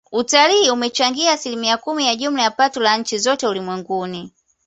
Utalii umechangia asilimia kumi ya jumla ya pato la nchi zote ulimwenguni